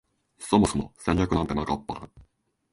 そもそも戦略なんてなかった